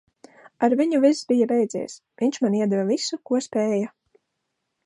Ar viņu viss bija beidzies. Viņš man iedeva visu, ko spēja.